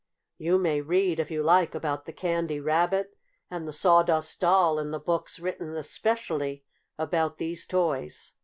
You may read, if you like, about the Candy Rabbit and the Sawdust Doll in the books written especially about those toys.